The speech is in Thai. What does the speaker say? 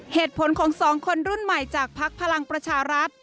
เหตุผลของสองคนรุ่นใหม่จากภักดิ์พลังประชารัฐ